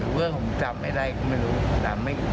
หรือว่าผมจำไม่ได้ก็ไม่รู้แต่ไม่รู้จัก